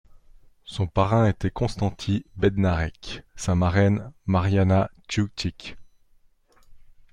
Son parrain était Konstanty Bednarek, sa marraine Marianna Szewczyk.